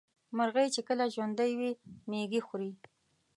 مرغۍ چې کله ژوندۍ وي مېږي خوري.